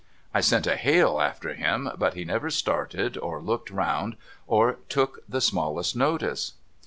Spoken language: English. I sent a hail after him, but he never started or looked round, or took the smallest notice.